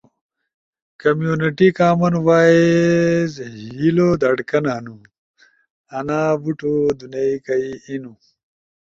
کمیونٹی کامن وائس ہیلو دھڑکن ہنو۔ انا بوٹو دونئی کئی اینو۔